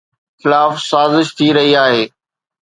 خلاف سازش ٿي رهي آهي